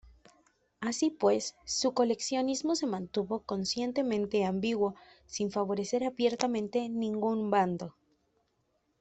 Así pues, su coleccionismo se mantuvo conscientemente ambiguo, sin favorecer abiertamente ningún bando.